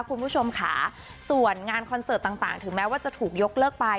คุณผู้ชมค่ะส่วนงานคอนเสิร์ตต่างถึงแม้ว่าจะถูกยกเลิกไป